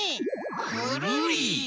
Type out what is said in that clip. くるり！